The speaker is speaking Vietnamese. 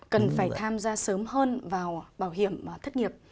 cần phải tham gia sớm hơn vào bảo hiểm thất nghiệp